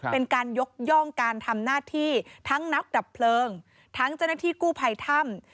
เป็นการยกย่องการทำหน้าที่ทั้งนักดับเพลิงทั้งเจ้าหน้าที่กู้ภัยถ้ำ